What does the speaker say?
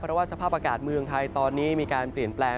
เพราะสภาพอากาศที่มีปีียนแปลง